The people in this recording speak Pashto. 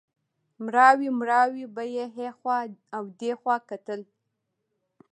مړاوی مړاوی به یې هخوا او دېخوا کتل.